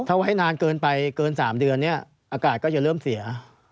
ถ้าไว้นานเกินไปเกิน๓เดือนเนี่ยอากาศก็จะเริ่มเสีย